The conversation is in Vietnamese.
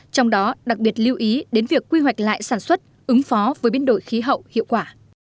trong đó đặc biệt lưu ý đến việc quy hoạch lại sản xuất ứng phó với biến đổi khí hậu hiệu quả